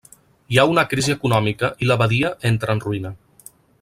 Hi ha una crisi econòmica i la badia entra en ruïna.